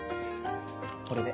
これで。